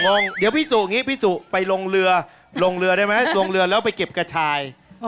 งงเดี๋ยวพี่สุอย่างนี้พี่สุไปลงเรือลงเรือได้ไหมลงเรือแล้วไปเก็บกระชาย